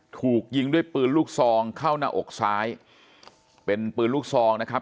ถูกยิงด้วยปืนลูกซองเข้าหน้าอกซ้ายเป็นปืนลูกซองนะครับ